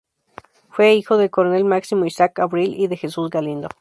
Fue hijo del coronel Máximo Isaac Abril y de Jesús Galindo.